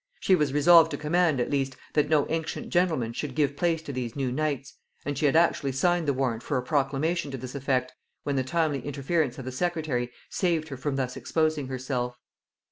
She was resolved to command at least that no ancient gentleman should give place to these new knights; and she had actually signed the warrant for a proclamation to this effect, when the timely interference of the secretary saved her from thus exposing herself.